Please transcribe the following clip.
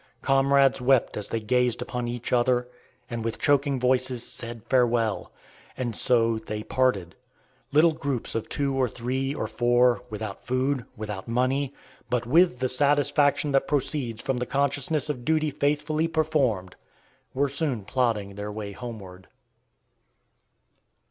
Comrades wept as they gazed upon each other, and with choking voices said, farewell! And so they parted. Little groups of two or three or four, without food, without money, but with "the satisfaction that proceeds from the consciousness of duty faithfully performed," were soon plodding their way homeward.